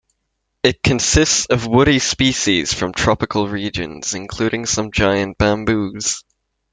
It consists of woody species from tropical regions, including some giant bamboos.